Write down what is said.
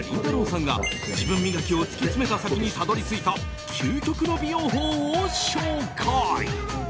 さんが自分磨きを突き詰めた先にたどり着いた究極の美容法を紹介。